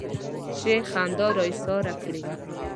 چې خندا را ايساره کړي.